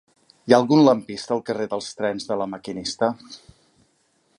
Hi ha algun lampista al carrer dels Trens de La Maquinista?